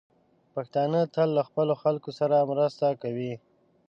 پښتانه تل له خپلو خلکو سره مرسته کوي.